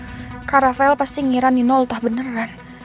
aduh kak rafael pasti ngira nino lultah beneran